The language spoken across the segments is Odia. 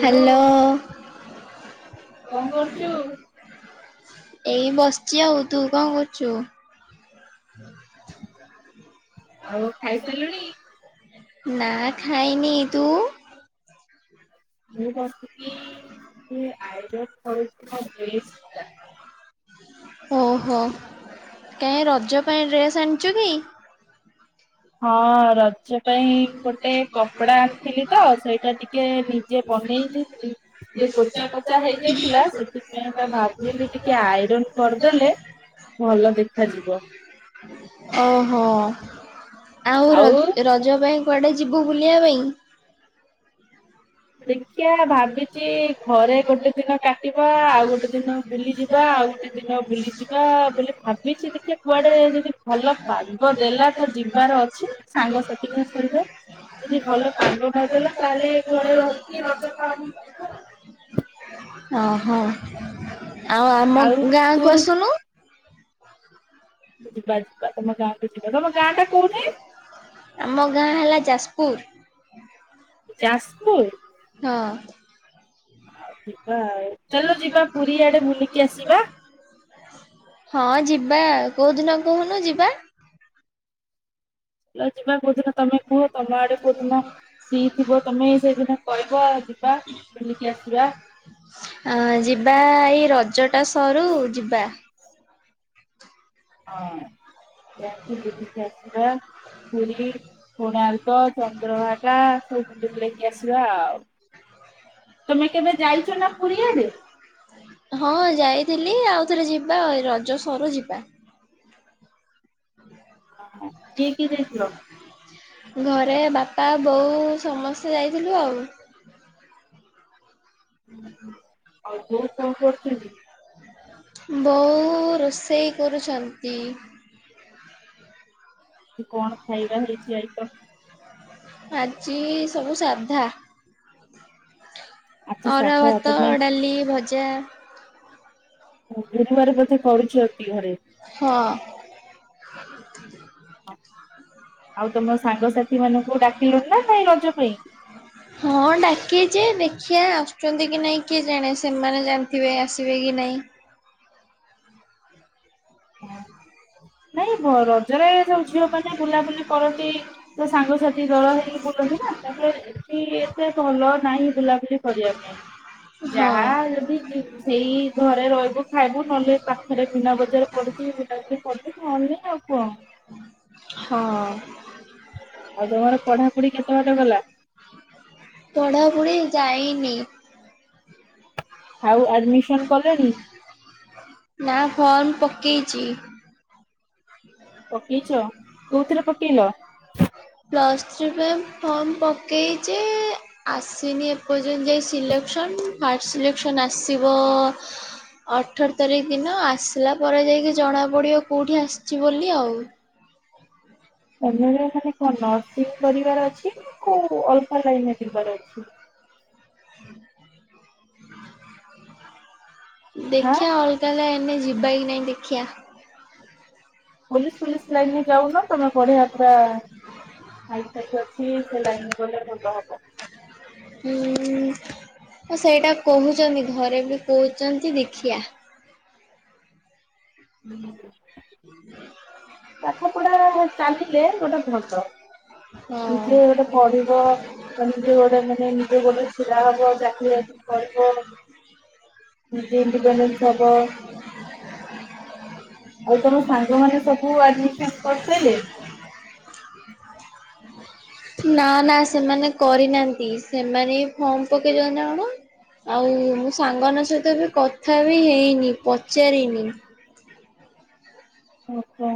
ହ୍ୟାଲୋ। କଣ କରୁଚୁ? ଏଇ ବସିଚି ଆଉ। ତୁ କଣ କରୁଚୁ? ଆଉ ଖାଇସାରିଲୁଣି ନା ଖାଇନି। ତୁ? [inaudible] ଟା। ଓହୋ, କାହିଁ ରଜ ପାଇଁ ଡ୍ରେସ୍ ଆଣିଛୁ କି? ହଁ ରଜ ପାଇଁ ଗୋଟେ କପଡା ଆଣିଥିଲି ତ ସେଇଟା ଟିକେ ଯିଏ ବନେଇ ଦେଇଥିଲି ଟିକେ ପୋଚା କଚା ହେଇଯାଇଥିଲା ସେଥିପାଇଁ ତା ଭାବିଲି ଟିକେ ଆଇରନ କରିଦେଲେ ଭଲ ଦେଖାଯିବ। ଓହୋ, ଆଉ ରଜ ରଜ ପାଇଁ କୁଆଡ଼େ ଯିବୁ ବୁଲିବା ପାଇଁ? ଦେଖିବା, ଭ ଭାବିଚି ଘରେ ଗୋଟେ ଦିନ କାଟିବା ଆଉ ଗୋଟେ ଦିନ ବୁଲିଯିବା, ଆଉ ଗୋଟେ ଦିନ ବୁଲିଯିବା, ବୋଲି ଭାବିଛି ଦେଖିବା କୁଆଡେ ଯଦି ଭଲ ପାଗ ଦେଲା ତ ଯିବାର ଅଛି। ସାଙ୍ଗସାଥିଙ୍କ ସହିତ ଯଦି ଭଲ ପାଗ ନଦେଲା ତାହେଲେ ଘରେ ରହିକି ରଜ ପାଳନ କରିବା ଓ ହୋ ଆଉ ଆମ ଆଉ ଗାଁ ତୁ କୁ ଆସୁନୁ? ଯିବା ଯିବା ତମ ଗାଁକୁ ଯିବା ତମ ଗାଁ ଟା କୋଉଠି? ଆମ ଗାଁ ହେଲା ଯାଜପୁର। ଯାଜପୁର? ହଁ ଆଉ ଯିବା ଆଉ ଚାଲ ଯିବା ପୁରୀ ଆଡେ ବୁଲିକି ଆସିବା? ହଁ ଯିବା କେଉଁଦିନ କହୁନୁ ଯିବା? ଯିବା କୁ ଦିନ ତମେ କୁହ ତମ ଆଡେ କୁ ଦିନ ଫ୍ରି ଥିବ ତମେ ସେଇ ଦିନ କହିବ ଯିବା ବୁଲିକି ଆସିବା ଅ ଯିବା ଏଇ ରଜଟା ସରୁ ଯିବା ହଁ ଯାଇକି ବୁଲିକି ଆସିବା। ପୁରୀ କୋଣାର୍କ [unintelligible] ଚନ୍ଦ୍ରଭାଗା ସବୁ ବୁଲେଇକି ଆସିବା ଆଉ ତୁମେ କେବେ ଯାଇଥିଲ ପୁରୀ ଆଡେ ହଁ ଯାଇଥିଲି ଆଉ ଥରେ ଯିବା ରଜ ସରୁ ଯିବା। [unintelligible] କିଏ କିଏ ଯାଇଥିଲ? ଘରେ ବାପା ବୋଉ ସମସ୍ତେ ଯାଇଥିଲୁ ଆଉ। ଆଉ ବୋଉ କଣ କରୁଛନ୍ତି [unintelligible] ବଉ ରୋଷେଇ କରୁଛନ୍ତି। କଣ ଖାଇବା ହେଇଛି ଆଇଟମ? ଆଜି ସବୁ ସାଧା। ଆଜି ଅରୁଆ ସାଧା ଭାତ ତମେ ଡାଲି ଭଜା। ବୁଧବାର ବୋଧେ କରୁଛ କି ଘରେ। ହଁ [unintelligible] ଆଉ ତମ ସାଙ୍ଗସାଥି ମାନଙ୍କୁ ଡାକିଲ ନା ନାଇଁ ରଜ ପାଇଁ? [inaudible] ହଁ ଡାକିଛି ଦେଖିିବା ଆସୁଛନ୍ତି କି ନାହିଁ କିଏ ଜାଣେ ସେମାନେ ଜାଣିଥିବେ ଆସିବେ କି ନାହିଁ। ନାଇଁ ବ ରଜରେ ସବୁ ଝିଅ ମାନେ ବୁଲାବୁଲି କରନ୍ତି [inaudible] ତ ସାଙ୍ଗସାଥି ଦଳ ହେଇକି ବୁଲନ୍ତି ନା ତାପରେ ଏଠି ଏତେ ଭଲ ନାହିଁ ବୁଲାବୁଲି କରିବା ପାଇଁ। ଯାହା ହଁ। ଯଦି ସେଇ ଘରେ ରହିବୁ ଖାଇବୁ ନହେଲେ ପାଖରେ ମିନା ବଜାର ପଡ଼ିଚି ବୁଲାବୁଲି କରିବୁ ନହେଲେ ଆଉ କଣ ହଁ। ଆଉ ତମର ପଢାପଢି କେତେ ବାଟ ଗଲା? ପଢ଼ାପଢ଼ି ଯାଇନି। ଆଉ ଆଡମିସନ କଲେଣି? ନା ଫର୍ମ ପକେଇଛି। ପକେଇଛ କୋଉଥିରେ ପକେଇଲ [inaudible] ପ୍ଲସ୍ ଥ୍ରୀ ପାଇଁ ଫର୍ମ ପକେଇଛି ଆସିନି ଏପର୍ଯ୍ୟନ୍ତ ଯାଇ ସିଲେକ୍ସନ ଫାଷ୍ଟ ସିଲେକ୍ସନ ଆସିବ ଅଠର ତାରିଖ ଦିନ ଆସିଲା ପରେ ଯାଇକି ଜଣା ପଡ଼ିବ କେଉଠି ଆସିଛି ବୋଲି ଆଉ। ଏମ ମାନ କଣ ନର୍ସିଂ କରିବାର ଅଛି ନା କଉ ଅଳ୍ପ ଲାଇନରେ ଯିବାର ଅଛି? ହାଁ ଦେଖିବା ଅଲଗା ଲାଇନି ରେ ଯିବା କି ନାହିଁ ଦେଖିବା। ପୋଲିସି ଫୋଲିସି ଲାଇନିରେ ଯାଉନ ତମେ ପଢିବା ପୁରା ହାଇଟେକ୍ ଅଛି ସେ ଲାଇନି ଗଲେ ଭଲ ହବ। ହୁଁ। ଆଉ ସେଇଟା କହୁଛନ୍ତି ଘରେ ବି କହୁଛନ୍ତି ଦେଖିଆ। ହୁଁ। [inaudible] ପାଠପଢା ଚାଲିଲେ ଗୋଟେ ଭଲ। ନିଜେ ଗୋଟେ ପଢିବ ନିଜେ ହଁ ଗୋଟେ ମାନେ ନିଜ ଗୋଡରେ ଛିଡା ହବ ଚାକିରି ବାକିରି କରିବ [inaudible] ନିଜେ ଇଣ୍ଡିପେଣ୍ଡେନ୍ସ ହବ [inaudible] ଆଉ ତମ ସାଙ୍ଗମାନେ ସବୁ [unintelligible] କରିଦେଲେ। ନା ନା ସେମାନେ କରିନାନ୍ତି ସେମାନେ ଫର୍ମ ପକେଇଚନ୍ତି ନା କଣ ଆଉ ସାଙ୍ଗମାନଙ୍କ ସହିତ ବି କଥା ବି ହେଇନି ପଚାରିନି। ଆଛା।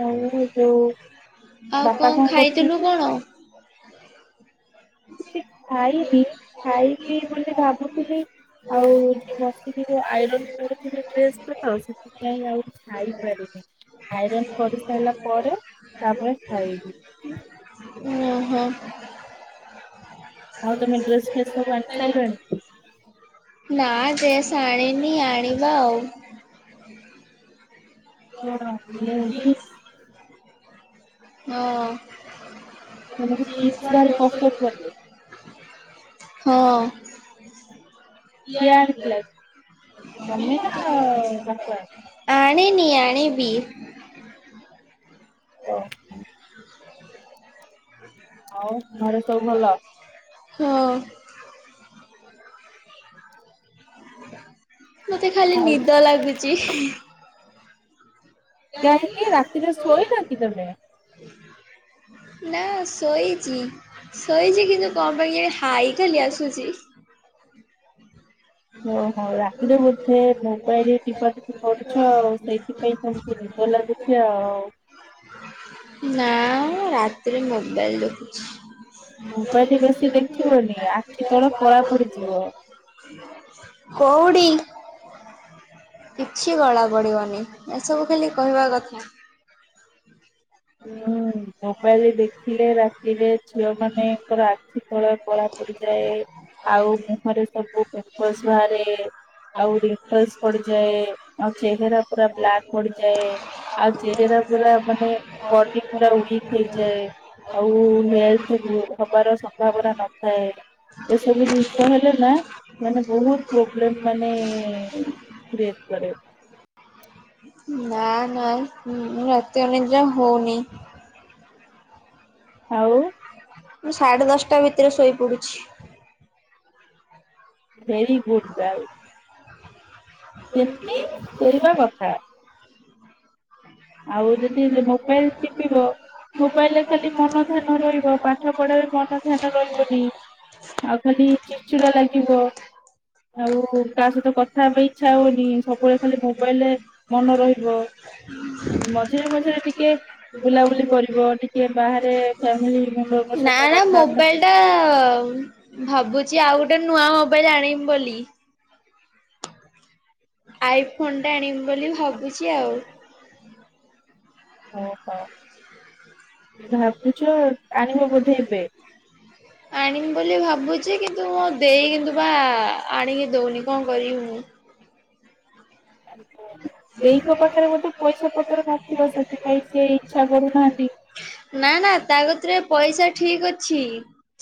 ଆଉ ଯୋଉ ଆଉ କଣ ବାପା ଙ୍କ ଖାଇଥିଲୁ କରୁଚନ୍ତି? କଣ? କିଛି ଖାଇନି ଖାଇବି ବୋଲି ଭାବୁଥିଲି ଆଉ ଏଠି ବସିକି ଜଉ ଆଇରନ୍ କରୁଥିଲି ଡ୍ରେସ୍ ଟା ତ ସେଥି ଥି ପାଇଁ ଆଉ ଖାଇପାରିନି ଆଇରନ୍ କରିସାରିଲା ପରେ ତାପରେ ଖାଇବି। ଓ ହୋ। ଆଉ ତମେ ଡ୍ରେସ୍ ଫ୍ରେସ୍ ସବୁ ଆଣି ସାଇଲଣି? ନା ଡ୍ରେସ୍ ଆଣିନି ଆଣିବା ଆଉ। [unintelligible] ହଁ। ତମ ଜିନ୍ସ ଭାରି ପସନ୍ଦ ଲାଗେ। ହଁ। କିଏ ଆଣିଥିଲା ତମେ ନା [unintelligible] ବାପା? ଆଣିନି ଆଣିବି। ଓ। ଆଉ ଘରେ ସବୁ ଭଲ? ହଁ। ମତେ ଖାଲି ଆଉ ନିଦ ଲାଗୁଚି। କାହିଁକି ରାତିରେ ଶୋଇନ କି ତମେ? ନା ଶୋଇଚି। ଶୋଇଚି କିନ୍ତୁ ଙ୍କ ପାଇଁ କେଜାଣି ହାଇ ଖାଲି ଆସୁଚି। ଓହୋ ରାତିରେ ବୋଧେ ମୋବାଇଲ ଟିପାଟିପି କରୁଛ ଆଉ ସେଇଥିପାଇଁ ନିଦ ଲାଗୁଚି ଆଉ। ନା ରାତିରେ ମୋବାଇଲ ଦେଖୁଚି। ମୋବାଇଲ୍ ବେଶୀ ଦେଖିବନି ଆଖି ତଳ କଳା ପଡିଯିବ। କଉଡ଼ି କିଛି କଳା ପଡ଼ିବନି ଏସବୁ ଖାଲି କହିବା କଥା। ହୁଁ ମୋବାଇଲ ଦେଖିଲେ ରା ତିରେ ଝିଅ ମାନେ ଙ୍କର ଆଖି ତଳେ କଳା ପଡିଯାଏ। ଆଉ ମୁହଁରେ ସବୁ ପିମ୍ପଲସ୍ ବାହାରେ। ଆଉ ରିପେଶ ପଡିଯାଏ। ଆଉ ଚେହେରା ପୁରା ବ୍ଲାକ୍ ପଡିଯାଏ ଆଉ ଚେହେରା ପୁରା ମାନେ ବଡି ପୁରା ୱିକ ହେଇଯାଏ ଆଉ ହେଲ୍ଥ ହବାର ସମ୍ଭାବନା [unintelligible] ନଥାଏ ଏସବୁ ଜିନିଷ ହେଲେ ନା ମାନେ ବହୁତ [unintelligible] ଦେ [unintelligible] କରେ। ନା ନା ମୁଁ ରାତି ଅନିଦ୍ରା ହଉନି। ହଉ। ମୁଁ ସାଢ଼େ ଦଶଟା ଭିତରେ ଶୋଇପଡ଼ୁଛି। Very good girl. ସେମିତି ଶୋଇବା କଥା। ଆଉ ଯଦି ମୋବାଇଲ ଟିପିବ ମୋବାଇଲରେ ଖାଲି ମନ ଧ୍ୟାନ ରହିବ ପାଠ ପଢାରେ ମନ ଧ୍ୟାନ ରହିବନି ଆଉ ଖାଲି ଚିଡ଼ଚିଡ଼ା ଲାଗିବ। ଆଉ କା ସହିତ କଥା ହେବା ପାଇଁ ଇଚ୍ଛା ହଉନି ସବୁବେଳେ ଖାଲି ମୋବାଇଲିରେ ମନ ରହିବ। ମଝିରେ ମଝିରେ ଟିକେ ବୁଲାବୁଲି କରିବ ଟିକେ ବାହାରେ ଫ୍ୟାମିଲି ମେମ୍ବରଙ୍କ ନା ସହିତ କଥାବାର୍ତ୍ତା ଭାବୁଚି ଆଉ ଗୋଟେ ନୂଆ ମୋବାଇଲ ଆଣିବି ବୋଲି। ଆଇଫୋନ୍ ଟେ ଆଣିବି ବୋଲି ଭାବୁଚି ଆଉ। ଓହୋ। ଭାବିଛ ଆଣିବ ବୋଧେ ଏବେ। ଆଣିିବି ବୋଲି ଭାବୁଛି କିନ୍ତୁ ମୋ ଦେଇ କିିନ୍ତୁ ବା ଆଣିକି ଦଉନି କଣ କରିବି ମୁଁ? ହଁ ଦେଇଙ୍କ ପାଖରେ ବୋଧେ ପଇସା ପତ୍ର ନଥିବ ସେଥିପାଇଁ ସିଏ ଇଚ୍ଛା କରୁନାହାନ୍ତି। ନା ନା ତା କତିରେ ପଇସା ଠିକ୍ ଅଛି।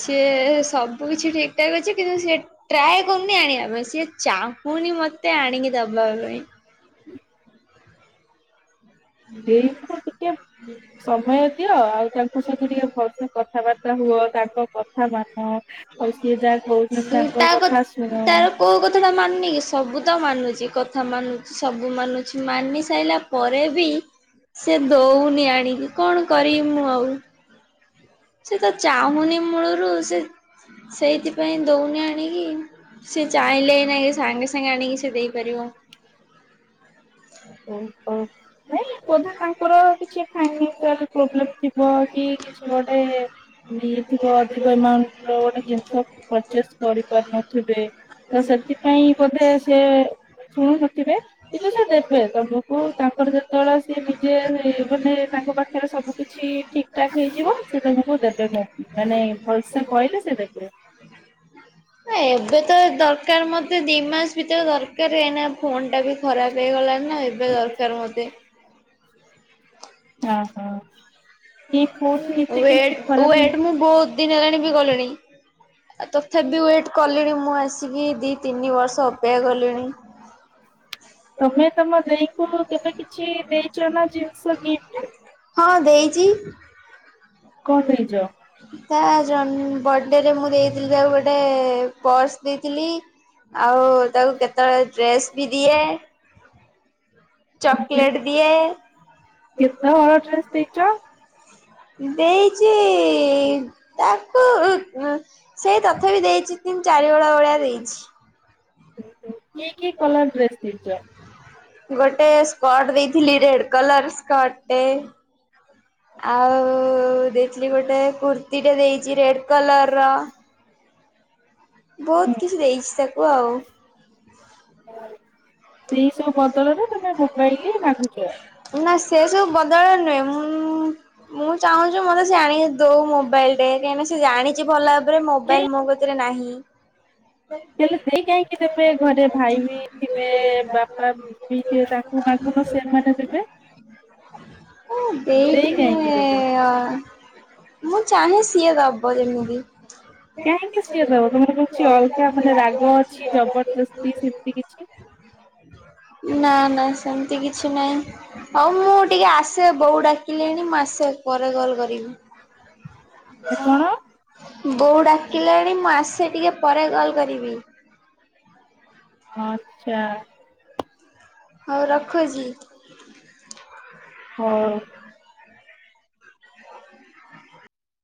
ସିଏ ସବୁ କିଛି ଠିକ୍ ଠାକ୍ ଅଛି କିନ୍ତୁ ସିଏ ଟ୍ରାଏ କରୁନି ଆଣିବା ପାଇଁ ସିଏ ଚାହୁଁନି ମତେ ଆଣିକି ଦବା ପାଇଁ। ଦେଇତ ଟିକେ ସମୟ ଦିଅ ଆଉ ତାଙ୍କ ସହିତ ଟିକେ ଭଲସେ କଥାବାର୍ତ୍ତା ହୁଅ ତାଙ୍କ କଥା ମାନ ଆଉ ସିଏ ଯାହା କହୁଛନ୍ତି ତାଙ୍କ କଥା ଶୁଣ। କଥା ମାନୁନି କି ସବୁ ତ ମାନୁଛି କଥା ମାନୁଛି ସବୁ ମାନୁଛି ମାନି ସାଇଲା ପରେ ବି ସେ ଦଉନି ଆଣିକି କଣ କରିବି ମୁଁ ଆଉ? ସେ ତ ଚାହୁଁନି ମୂଳରୁ ସେ ସେଇଥିପାଇଁ ଦଉନି ଆଣିକି। ସେ ଚାହିଁଲେ ଏହିନା ସାଙ୍ଗେ ସାଙ୍ଗେ ଆଣିକି ସେ ଦେଇପାରିବ। ଓଃ ନାଇଁ ବୋଧେ ତାଙ୍କର କିଛି ଫାଇନସିଆଲ ପ୍ରୋବ୍ଲେମ୍ ଥିବ କି କିଛି ଗୋଟେ ଲି ଥିବା ଅଧିକ ଏମାଉଣ୍ଟ ର ଗୋଟେ ଜିନିଷ ପଚର୍ସେ କରିପାରୁନଥିବେ। ତ ସେଥିପାଇଁ ବୋଧେ ସିଏ ଶୁଣୁ ନଥିବେ କିନ୍ତୁ ସେ ଦେ ବେ ତମକୁ ତାଙ୍କର ଯ ତଳ ସି ନିଜେ ମାନେ ତାଙ୍କ ପାଖରେ ସବୁ କିିଛି ଠିକ୍ ଠାକ୍ ହେଇଯିବ ସେ ତମକୁ ଦେବେ ମୁଁ ମାନେ ଭଲ୍ ସେ କହିଲେ ସେ ଦେବେ। [inaudible] ଏବେ ତ ଦରକାର ମୋତେ ଦି ମାସ ଭିତରେ ଦରକାର ଏଇନା ଫୋନ୍ଟା ବି ଖରାପ ହେଇଗଲାଣି ନା ଏବେ ଦରକାର ମତେ। ଅ ହଁ। କି କୋଉଠି କେତେ କେମିତି ୱେଟ ଖରାପ ହେଲେ ୱେଟ ମୁଁ ବହୁତ ଦିନି ହେଲାଣି ବି ଗଲିଣି ଆଉ ତଥାପି ୱେଟ୍ କଲିଣି ମୁଁ ଆସିକି ଦି ତିନି ବର୍ଷ ଅପେକ୍ଷା କଲିଣି। ତମେ ତମ ଦେଇକୁ କେବେ କିଛି ଦେଇଛ ନା ଜିନିଷ ଗିଫ୍ଟ? ହଁ ଦେଇଚି। କ କଣ ଦେଇଛ? ଦେଇଚ? ତା ଜନ୍ ବଡ଼େ ରେ ମୁଁ ଦେଇଥିଲି ତାକୁ ଗୋଟେ ପର୍ସ ଦେଇଥିଲି। ଆଉ ତାକୁ କେତେବେଳେ ଡ୍ରେସ୍ ବି ଦିଏ। ଚକଲେଟ୍ ଦିଏ। କେତେ ହଳ ଡ୍ରେସ୍ ଦେଇଚ? ଦେଇଛି ଇ ତାକୁ ସେଇ ତଥାପି ଦେଇଛି ତିନି ଚାରି ହଳ ଭଳିଆ ଦେଇଛି। କି କି କଲର ଡ୍ରେସ୍ ଦେଇଚ? [inaudible] ଗୋଟେ ସ୍କଟ୍ ଦେଇଥିଲି ରେଡ କଲର ସ୍କଟଟେ। ଆଉ ଦେଇଥିଲି ଗୋଟେ କୁର୍ତିୀଟେ ଦେଇଛି ରେଡ୍ କଲର ର। ବହୁତ୍ କିଛି ଦେଇଛି ତାକୁ ଆଉ। ସେଇ ସବୁ ବଦଳରେ ତମେ ମୋବାଇଲ୍ ମାଗୁଚ। ନା ସେ ସବୁ ବଦଳ ନୁହେଁ ମୁଁ ମୁଁ ଚାହୁଁଛି ମତେ ସେ ଆଣିକି ଦଉ ମୋବାଇଲ୍। ଟେଂକେ ନା ସେ ଜାଣିଛି ଭଲ ଭାବରେ ମୋବାଇଲ ମୋ କତିରେ ନାହିଁ। ହେଲେ ଦେଇ କାହିଁକି ଦେବେ ଘରେ ଭାଇ ବି ଥିବେ। ବାପା ବି ଥିବେ ତାଙ୍କୁ ମାଗୁନ ସେଥରେ ଦେବେ। ଦେଇ କାହିଁକି ଦେବେ? କାଁ [inaudible] ମୁଁ ଚାହେଁ ସିଏ ଦବ ଯେମିତି। କାହିଁକି ସିଏ ଦବ ତମର କିଛି ଅଲଗା ମାନେ ରାଗ ଅଛି ଜବରଦସ୍ତି ସେମିତି କିଛି? ନା ନା ସେମିତି କିଛି ନାହିଁ। ହଉ ମୁଁ ଟିକେ ଆସେ ବୋଉ ଡାକିଲେଣି ମୁଁ ଆସେ ପରେ କଲ୍ କରିବି। ମାନେ କଣ [inaudible] ବୋଉ ଡାକିଲାଣି ମୁଁ ଆସେ ଟିକେ ପରେ କଲ୍ କରିବି। ହଁ ଆଛା ହଉ ରଖୁଛି। ହଉ।